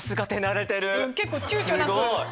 結構ちゅうちょなく。